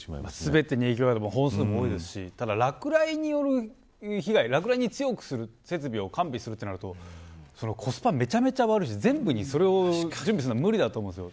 全ての影響で本数も多いですし落雷に強くする設備を完備するとなるとコスパめちゃめちゃ悪いし全部にそれを準備するのむりだと思うんですよ。